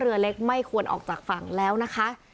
เรือเล็กไม่ควรออกจากฝั่งแล้วนะคะ